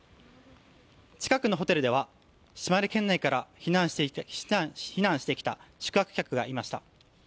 近くのホテルでは島根県内から避難してきた宿泊客がいました。